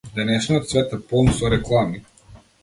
Денешниот свет е полн со реклами.